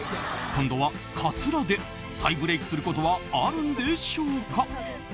今度はカツラで再ブレークすることはあるんでしょうか。